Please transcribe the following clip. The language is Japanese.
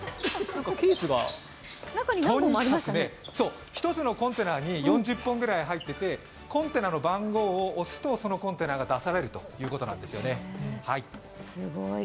とにかくね、１つのコンテナに４０本くらい入っててコンテナの番号を押すとそのコンテナが出されるということです。